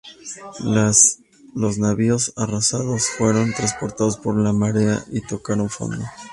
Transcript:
Los navíos arrastrados fueron transportados por la marea, y tocaron fondo.